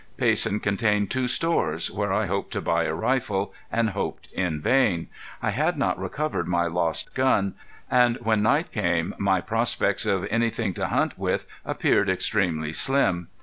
Payson contained two stores, where I hoped to buy a rifle, and hoped in vain. I had not recovered my lost gun, and when night came my prospects of anything to hunt with appeared extremely slim.